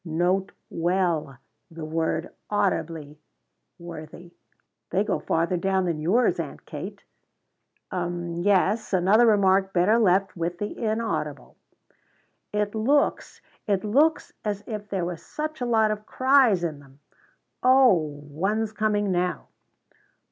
Note well the word audibly, Worthie." "They go farther down than yours, Aunt Kate." "'Um yes; another remark better left with the inaudible." "It looks it looks as if there was such a lot of cries in them! o h one's coming now!"